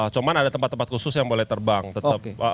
cuma ada tempat tempat khusus yang boleh terbang